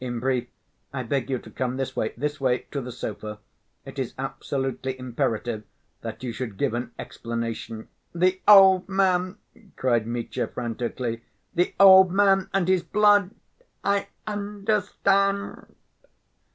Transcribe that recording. in brief, I beg you to come this way, this way to the sofa.... It is absolutely imperative that you should give an explanation." "The old man!" cried Mitya frantically. "The old man and his blood!... I understand."